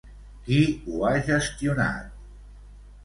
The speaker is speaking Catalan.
Qui ho ha gestionat?